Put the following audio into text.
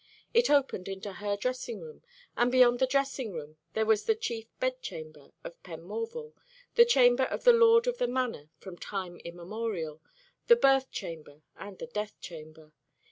It opened into her dressing room, and beyond the dressing room there was the chief bedchamber of Penmorval, the chamber of the lord of the manor from time immemorial, the birth chamber and the death chamber.